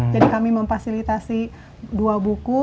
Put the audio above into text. jadi kami memfasilitasi dua buku